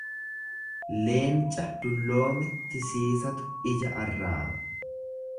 Leenca dulloome tisiisatu ija arraaba.